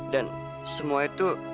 dan semua itu